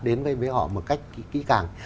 đến với họ một cách kỹ càng